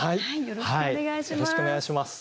よろしくお願いします。